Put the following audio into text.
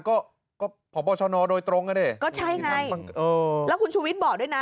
ก็ก็พอประชานอดโดยตรงน่ะดิก็ใช่ไงเออแล้วคุณชุวิตบอกด้วยน่ะ